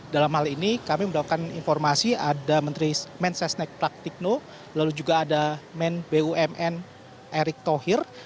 dalam hal ini kami mendapatkan informasi ada menteri mensesnek praktikno lalu juga ada men bumn erick thohir